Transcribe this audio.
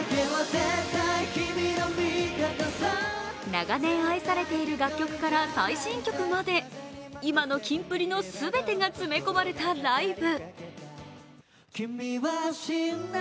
長年愛されている楽曲から最新曲まで今のキンプリの全てが詰め込まれたライブ。